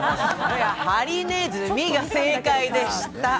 ハリネズミが正解でした。